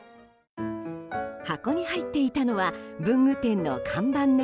箱に入っていたのは文具店の看板猫。